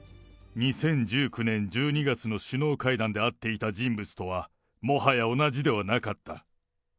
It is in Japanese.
２０１９年１２月の首脳会談で会っていた人物とは、もはや同じではなかった。